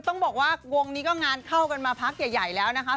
ต้องบอกว่าวงนี้ก็งานเข้ากันมาพักใหญ่แล้วนะคะ